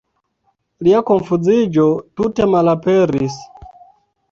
Lia konfuziĝo tute malaperis.